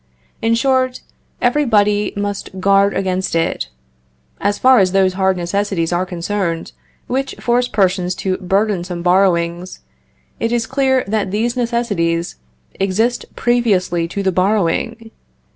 In short, everybody must guard against it. As far as those hard necessities are concerned, which force persons to burdensome borrowings, it is clear that these necessities exist previously to the borrowing.